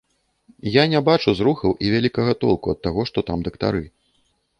Я не бачу зрухаў і вялікага толку ад таго, што там дактары.